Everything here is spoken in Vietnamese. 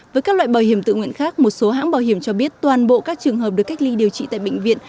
với các loại bảo hiểm tự nguyện khác một số hãng bảo hiểm cho biết toàn bộ các trường hợp được cách ly điều trị tại bệnh viện